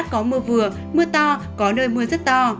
có mưa vừa mưa to có nơi mưa rất to